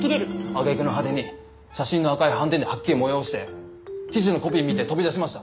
揚げ句の果てに写真の赤い斑点で吐き気を催して記事のコピー見て飛び出しました。